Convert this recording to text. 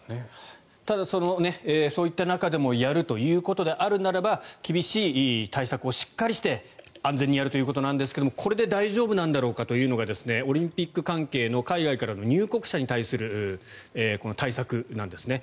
ただ、そういった中でもやるということであるならば厳しい対策をしっかりして安全にやるということなんですがこれで大丈夫なんだろうかというのはオリンピック関係の海外からの入国者に対するこの対策なんですね。